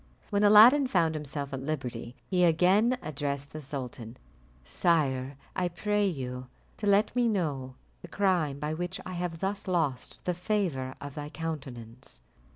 When Aladdin found himself at liberty, he again addressed the sultan: "Sire, I pray you to let me know the crime by which I have thus lost the favour of thy countenance."